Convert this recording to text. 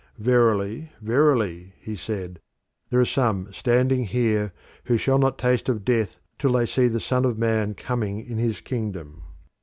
"Verily, verily," he said, "there are some standing here who shall not taste of death till they see the Son of Man coming in his kingdom."